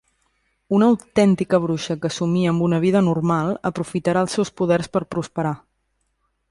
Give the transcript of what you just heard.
Una autèntica bruixa que somnia amb una vida normal aprofitarà els seus poders per prosperar.